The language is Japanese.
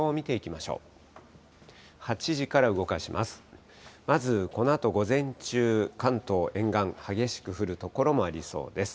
まずこのあと午前中、関東沿岸、激しく降る所もありそうです。